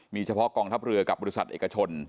มีเฉพาะกองทัพเรือกับบริษัทเอกชน